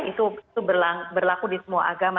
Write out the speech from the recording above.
itu berlaku di semua agama